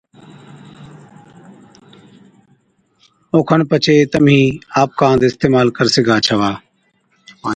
او کن پڇي تمهِين آپڪا هنڌ اِستعمال ڪر سِگھا ڇوا۔